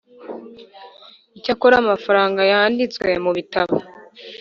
Icyakora amafaranga yanditswe mu bitabo